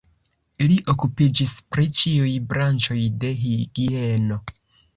Li okupiĝis pri ĉiuj branĉoj de higieno.